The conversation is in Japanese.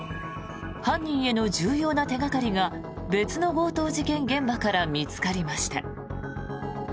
犯人への重要な手掛かりが別の強盗殺人事件現場から見つかりました。